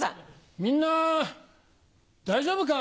みんな大丈夫か？